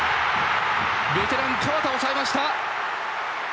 ベテラン河田抑えました。